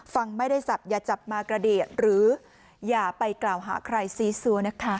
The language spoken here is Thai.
ฟังไม่ได้สับอย่าจับมากระดีดหรืออย่าไปกล่าวหาใครซีซัวนะคะ